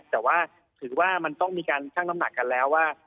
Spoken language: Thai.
แต่ว่าถือว่ามันต้องมีการชั่งน้ำหนักกันแล้วว่า